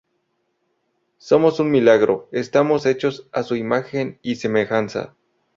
Somos un milagro, estamos hechos a su imagen y semejanza.